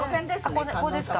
ここですか。